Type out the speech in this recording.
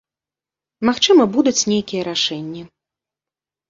Магчыма, будуць нейкія рашэнні.